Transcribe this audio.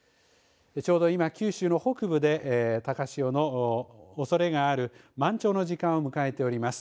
ちょうど今、九州の北部で高潮のおそれがある満潮の時間を迎えております。